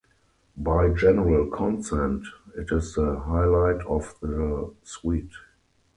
By general consent it is the highlight of the suite.